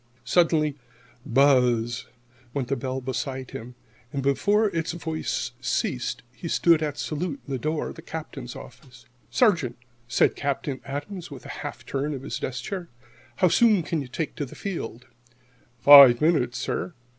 Suddenly "buzz" went the bell beside him. Before its voice ceased he stood at salute in the door of the Captain's office. "Sergeant," said Captain Adams, with a half turn of his desk chair, "how soon can you take the field?" "Five minutes, sir."